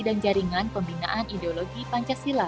dan jaringan pembinaan ideologi pancasila